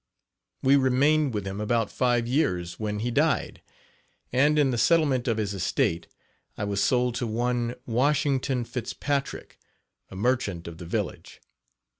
We remained with him about five years, when he died, and, in the settlement of his estate, I was sold to one Washington Fitzpatrick, a merchant of the village.